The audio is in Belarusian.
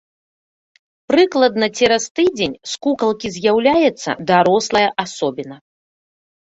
Прыкладна цераз тыдзень з кукалкі з'яўляецца дарослая асобіна.